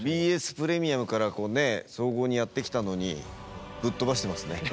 ＢＳプレミアムからこうね総合にやって来たのにぶっ飛ばしてますね。